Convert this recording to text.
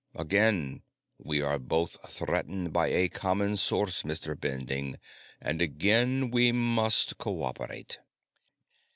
"Again we are both threatened by a common source, Mr. Bending, and again we must co operate."